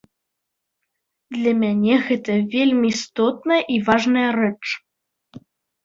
Для мане гэта вельмі істотная і важная рэч.